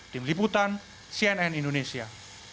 tim liputan cnn indonesia